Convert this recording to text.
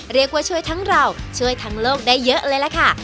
เรียกว่าช่วยทั้งเราช่วยทั้งโลกได้เยอะเลยล่ะค่ะ